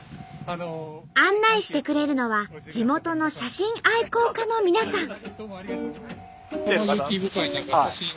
案内してくれるのは地元の写真愛好家の皆さん。